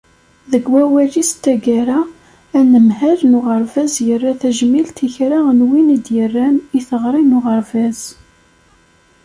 Deg wawal-is taggara, anemhal n uɣerbaz yerra tajmilt i kra n win i d-yerran i teɣri n uɣerbaz.